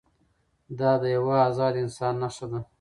دا د یوه ازاد انسان نښه ده.